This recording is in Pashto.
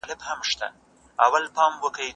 څوک بايد په ټولنه کي ازاد ژوند وکړي؟